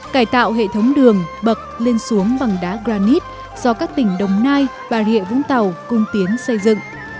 cải tạo hệ thống đường bậc lên xuống bằng đá granite do các tỉnh đồng nai bà rịa vũng tàu cung tiến xây dựng